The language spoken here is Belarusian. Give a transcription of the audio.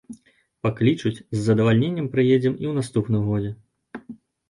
Паклічуць, з задавальненнем прыедзем і ў наступным годзе.